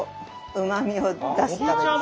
うまみを出すためです。